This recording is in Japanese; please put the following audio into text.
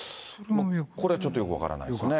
これちょっとよく分からないですね。